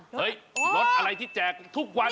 เฮ้ยรถอะไรที่แจกทุกวัน